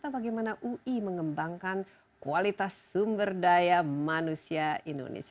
bagaimana ui mengembangkan kualitas sumber daya manusia indonesia